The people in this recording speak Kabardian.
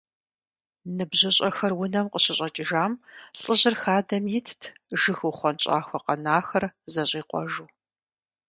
НыбжьыщӀэхэр унэм къыщыщӀэкӀыжам, лӏыжьыр хадэм итт, жыг ухъуэнщӀахуэ къэнахэр зэщӀикъуэжу.